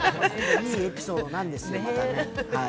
いいエピソードなんですよ、またね。